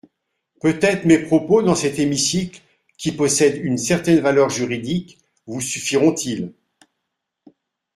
Peut-être mes propos dans cet hémicycle, qui possèdent une certaine valeur juridique, vous suffiront-ils.